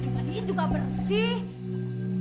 tapi ini juga bersih